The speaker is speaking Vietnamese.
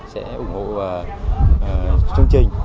sẽ ủng hộ chương trình